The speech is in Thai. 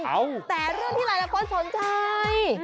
แต่เรื่องที่หลายคนสนใจ